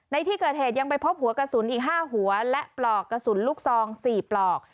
ในที่เกิดเหตุยังไปพบหัวกระสุนอีก๕หัวและปลอกกระสุนลูกซอง๔ปลอก